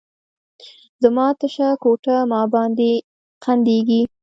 زما تشه کوټه، ما باندې خندیږې